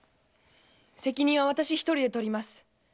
責任は私一人でとります。